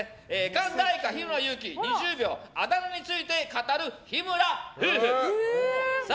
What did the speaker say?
神田愛花、日村勇紀２０秒、あだ名について語る日村夫婦。